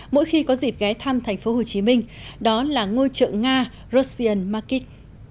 mỗi khi có dịp ghé thăm tp hcm đó là ngôi chợ nga russian market